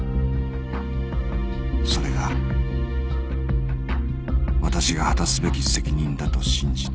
それが私が果たすべき責任だと信じて